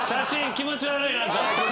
気持ち悪い。